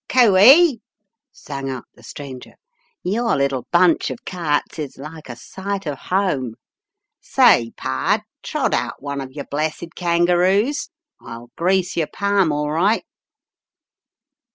"Cooe ee," sang out the stranger, "your little bunch of carts is like a sight of home. Say, pard, trot out one of your blessed kangaroos. I'll grease yer palm, all right."